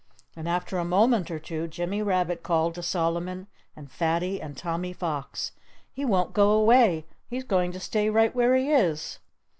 And after a moment or two Jimmy Rabbit called to Solomon and Fatty and Tommy Fox: "He won't go away! He's going to stay right where he is!"